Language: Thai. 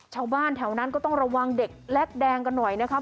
ชาวบ้านแถวนั้นก็ต้องระวังเด็กแลกแดงกันหน่อยนะครับ